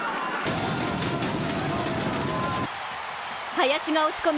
林が押し込み